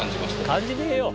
感じねえよ！